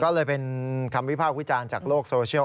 ก็เลยเป็นคำวิพากษ์วิจารณ์จากโลกโซเชียล